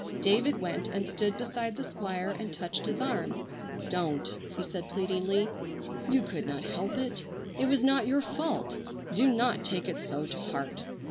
David went and stood beside the Squire and touched his arm. "Don't!" he said pleadingly. "You could not help it. It was not your fault. Do not take it so to heart!"